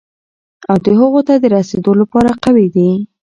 او د هغو ته د رسېدو لپاره قوي،